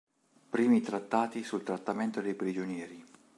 Primi trattati sul trattamento dei prigionieri.